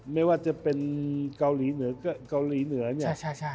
ไม่ว่าจะเป็นเกาหลีเหนือเกาหลีเหนือเนี้ยใช่ใช่ใช่